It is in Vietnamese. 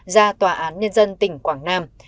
ra tòa án nhân dân tp quảng nam